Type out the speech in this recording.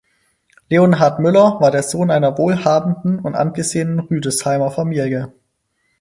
Leonhard Müller war der Sohn einer wohlhabenden und angesehenen Rüdesheimer Familie.